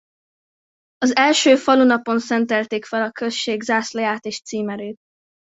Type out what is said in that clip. Az első falunapon szentelték fel a község zászlaját és címerét.